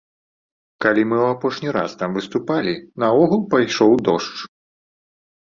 Калі мы ў апошні раз там выступалі, наогул пайшоў дождж.